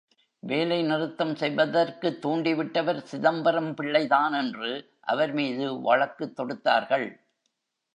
வேலை நிறுத்தம் செய்வதற்குத் தூண்டி விட்டவர் சிதம்பரம் பிள்ளைதான் என்று அவர் மீது வழக்குத் தொடுத்தார்கள்.